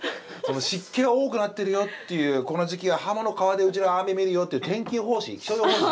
湿気が多くなってるよっていうこの時期は鱧の皮でうちらは雨見るよっていう気象予報士。